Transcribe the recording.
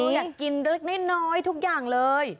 อยากกินเล็กน้อยทุกอย่างเลย